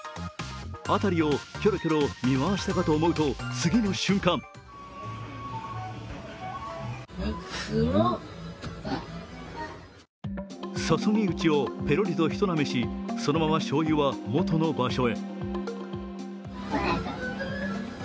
辺りをキョロキョロ見回したかと思うと、次の瞬間注ぎ口をぺろりとひとなめし、そのまましょうゆは元の場所へ。